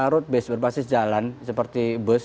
road base berbasis jalan seperti bus